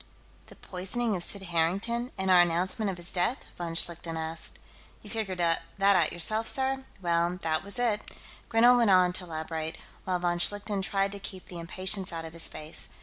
"The poisoning of Sid Harrington, and our announcement of his death?" von Schlichten asked. "You figured that out yourself, sir? Well, that was it." Grinell went on to elaborate, while von Schlichten tried to keep the impatience out of his face.